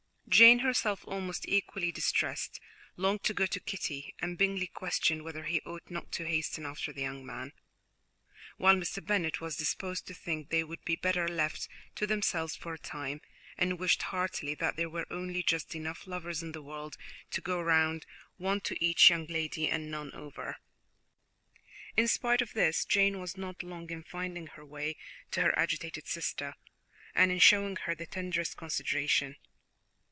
Jane herself, almost equally distressed, longed to go to Kitty, and Bingley questioned whether he ought not to hasten after the young man, while Mr. Bennet was disposed to think they would be better left to themselves for a time, and wished heartily that there were only just enough lovers in the world to go round, one to each young lady, and none over. In spite of this, Jane was not long in finding her way to her agitated sister and in showing her the tenderest consideration.